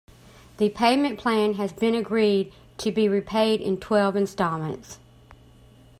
The payment plan has been agreed to be repaid in twelve instalments.